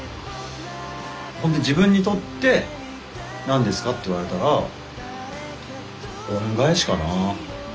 自分にとって何ですかって言われたら恩返しかな。